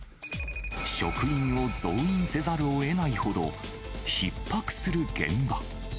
職員を増員せざるをえないほど、ひっ迫する現場。